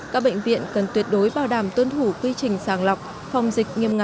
các bệnh viện cần tuyệt đối bảo đảm tuân thủ quy trình sàng lọc phòng dịch nghiêm ngặt